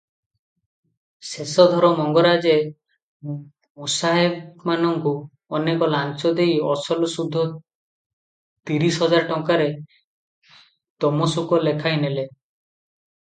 ଶେଷଥର ମଙ୍ଗରାଜେ ମୁସାହେବମାନଙ୍କୁ ଅନେକ ଲାଞ୍ଚ ଦେଇ ଅସଲ ସୁଧ ତିରିଶ ହଜାର ଟଙ୍କାରେ ତମସୁକ ଲେଖାଇନେଲେ ।